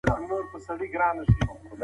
سندرې د درملنې ملاتړ کوونکی چلند دی.